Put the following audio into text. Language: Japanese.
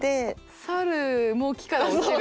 猿も木から落ちる？